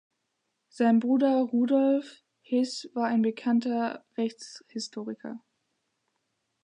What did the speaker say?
Sein Bruder Rudolf His war ein bekannter Rechtshistoriker.